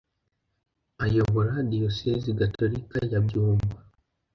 ayobora diyosezi gatolika ya byumba